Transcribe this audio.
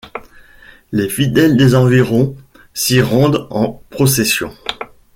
Les fidèles des environs s’y rendent en procession.